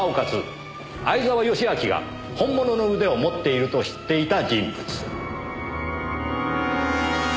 相沢良明が本物の腕を持っていると知っていた人物。